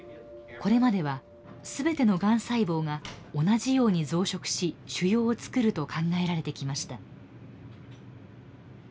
これまではすべてのがん細胞が同じように増殖し腫瘍をつくると考えられてきました。